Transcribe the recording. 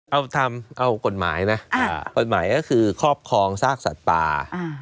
เอาทำเอากฎหมายนะกฎหมายก็คือครอบครองซากสัตว์ป่า